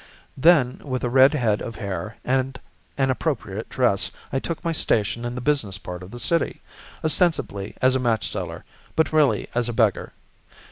Then with a red head of hair, and an appropriate dress, I took my station in the business part of the city, ostensibly as a match seller but really as a beggar.